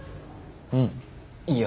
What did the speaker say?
うんいいよ。